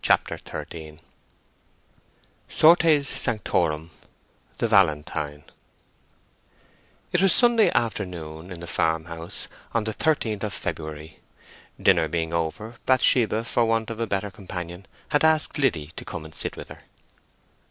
CHAPTER XIII SORTES SANCTORUM—THE VALENTINE It was Sunday afternoon in the farmhouse, on the thirteenth of February. Dinner being over, Bathsheba, for want of a better companion, had asked Liddy to come and sit with her.